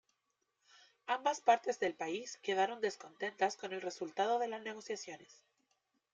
Ambas partes del país quedaron descontentas con el resultado de las negociaciones.